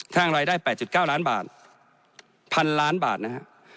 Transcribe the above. ท่างรายได้๘๙ล้านบาทพันล้านบาทนะครับ